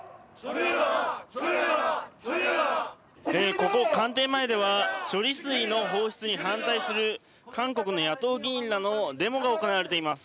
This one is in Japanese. ここ、官邸前では処理水の放出に反対する韓国の野党議員らのデモが行われています。